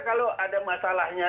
kalau ada masalahnya